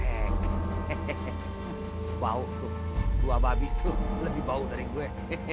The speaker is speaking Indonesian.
hehehe bau tuh dua babi tuh lebih bau dari gue